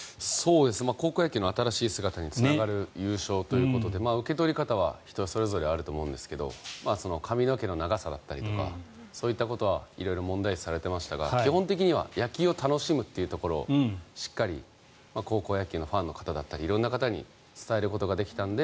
高校野球の新しい姿につながる優勝ということで受け取り方は人それぞれあると思うんですけど髪の毛の長さだったりとかそういったことは色々問題視されていましたが基本的には野球を楽しむというところをしっかり高校野球のファンの方だったり色んな方に伝えることができたので